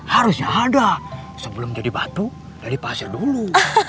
harusnya ada sebelum jadi batu dari pasir dulu